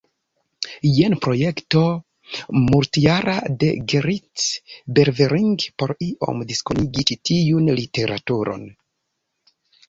Jen projekto multjara de Gerrit Berveling por iom diskonigi ĉi tiun literaturon.